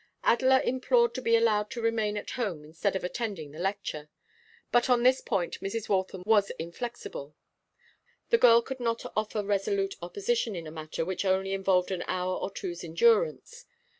Adela implored to be allowed to remain at home instead of attending the lecture, but on this point Mrs. Waltham was inflexible. The girl could not offer resolute opposition in a matter which only involved an hour or two's endurance.